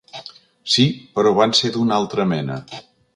Sí, però van ser d’una altra mena.